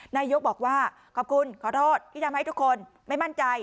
นายกบอกว่าขอบคุณขอโทษที่ทำให้ทุกคนไม่มั่นใจ